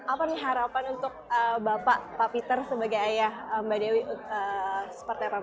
apa nih harapan untuk bapak pak peter sebagai ayah mbak dewi seperti apa